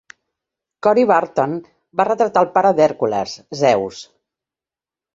Corey Burton va retratar el pare d'Hèrcules, Zeus.